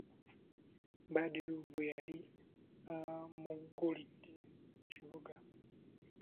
Badru lwe yali amugulidde mu kibuga.